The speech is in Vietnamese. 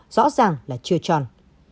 rõ ràng là chưa tròn